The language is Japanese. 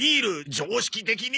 常識的に。